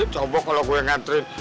cobok kalau gue yang nganterin